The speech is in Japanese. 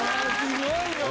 すごいよ。